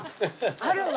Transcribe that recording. あるわ。